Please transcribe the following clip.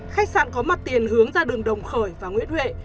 khách sạn có mặt tiền hướng ra đường đồng khởi và nguyễn huệ